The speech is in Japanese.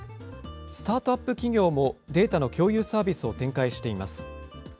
スタートアップ企業もデータの共有サービスを展開しています。